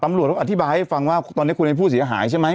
ตำรวจเขาอธิบายให้ฟังว่าตอนนี้คุณเป็นผู้เสียหายใช่ไหม